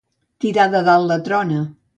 Tirar de dalt la trona.